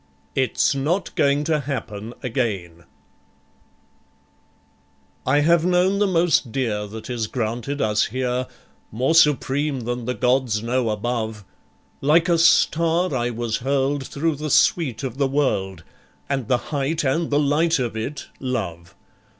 It's Not Going to Happen Again I have known the most dear that is granted us here, More supreme than the gods know above, Like a star I was hurled through the sweet of the world, And the height and the light of it, Love.